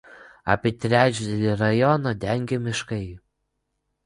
Apie trečdalį rajono dengia miškai.